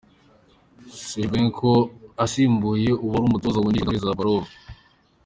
Shevchenko asimbuye uuwari umutoza wungirije Olexandr Zavarov.